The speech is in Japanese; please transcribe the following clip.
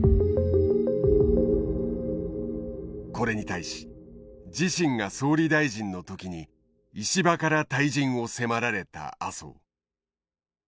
これに対し自身が総理大臣の時に石破から退陣を迫られた麻生。